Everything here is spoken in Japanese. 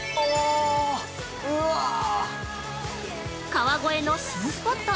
川越の新スポット。